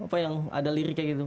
apa yang ada liriknya gitu